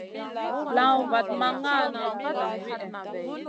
Lawna vat ma nʼgaana nang wihè.